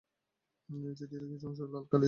চিঠির কিছু অংশ লাল কালি দিয়ে দাগ দিলেন।